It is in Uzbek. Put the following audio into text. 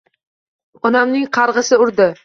Onamning qarg`ishi urdi